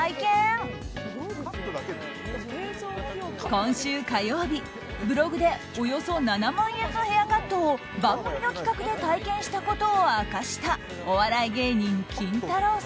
今週火曜日、ブログでおよそ７万円のヘアカットを番組の企画で体験したことを明かしたお笑い芸人キンタロー。